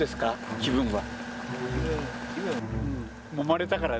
気分は。